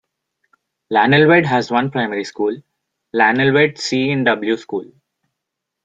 Llanelwedd has one Primary School - Llanelwedd C in W School.